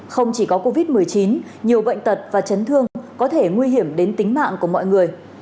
không chỉ có covid một mươi chín nhiều bệnh tật và chấn thương có thể nguy hiểm đến tính mạng của mọi người